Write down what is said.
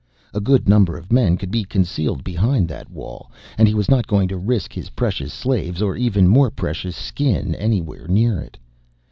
A good number of men could be concealed behind that wall and he was not going to risk his precious slaves or even more precious skin anywhere near it.